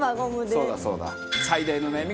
そうだそうだ。